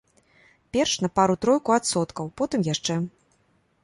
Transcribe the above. Перш на пару-тройку адсоткаў, потым яшчэ.